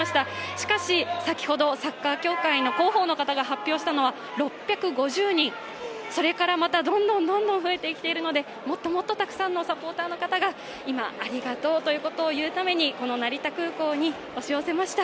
しかし、先ほど、サッカー協会の広報の方が発表したのは６５０人、それからまたどんどん増えてきているのでもっともっとたくさんのサポーターの方が今、ありがとうと言うためにこの成田空港に押し寄せました。